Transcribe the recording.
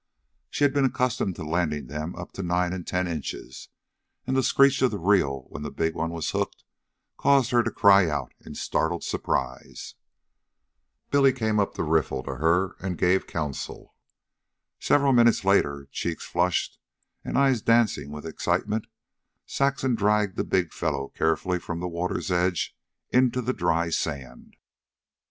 She had been accustomed to landing them up to nine and ten inches, and the screech of the reel when the big one was hooked caused her to cry out in startled surprise. Billy came up the riffle to her and gave counsel. Several minutes later, cheeks flushed and eyes dancing with excitement, Saxon dragged the big fellow carefully from the water's edge into the dry sand.